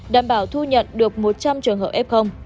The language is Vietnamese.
đảm bảo thu nhận được một trăm linh trường hợp f